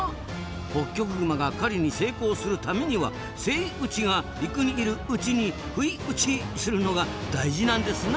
ホッキョクグマが狩りに成功するためには「セイウチ」が陸にいるウチに「不意ウチ」するのが大事なんですな。